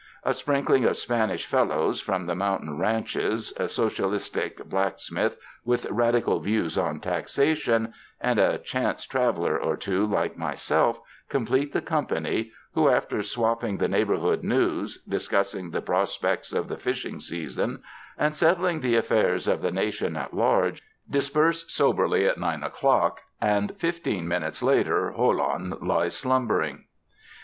A sprinkling of Spanish "fellows" from the mountain ranches, a Socialistic blacksmith with radical views on taxation, and a chance traveler or two, like myself, complete the company, who, after swapping the neighborhood news, discussing the prospects of the fishing season and settling the affairs of the nation at large, dis perse soberly at nine o'clock, and fifteen minutes later, Jolon lies slumbering.